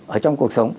ở trong cuộc sống